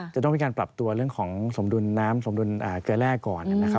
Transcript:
จะต้องมีการปรับตัวเรื่องของสมดุลน้ำสมดุลเกลือแร่ก่อน